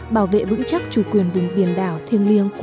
bảo vệ vững chắc chủ quyền vùng biển đảo thiêng liêng